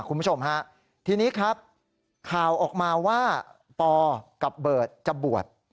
คุณผู้ชมฮะทีนี้ครับข่าวออกมาว่าปอกับเบิร์ตจะบวช